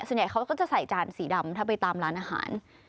ส่วนใหญ่เขาก็จะใส่จานสีดำถ้าไปตามร้านอาหาร